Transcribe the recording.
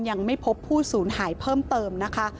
ยังไม่พบผู้สูญหายเพิ่มเติมนะคะ